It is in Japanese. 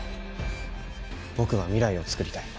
僕は未来をつくりたい。